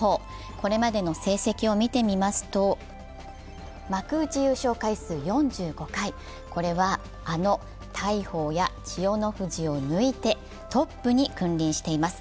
これまでの成績を見てみますと、幕内優勝回数４５回、これはあの大鵬や千代の富士を抜いてトップに君臨しています。